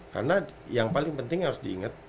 karena yang paling penting harus diingat